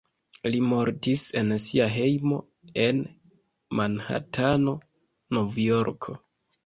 Li mortis en sia hejmo en Manhatano, Novjorko.